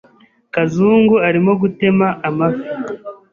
Kazungu arimo gutema amafi.